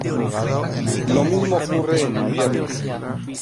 Lo mismo ocurre en invierno.